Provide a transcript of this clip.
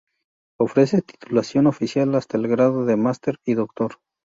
Ofrece titulación oficial hasta el grado de Máster y doctor.